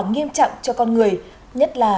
nghiêm trọng cho con người nhất là